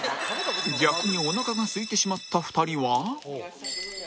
逆にお腹がすいてしまった２人は